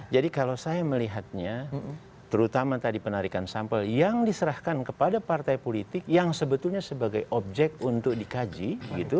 jadi kalau saya melihatnya terutama tadi penarikan sampel yang diserahkan kepada partai politik yang sebetulnya sebagai objek untuk dikaji gitu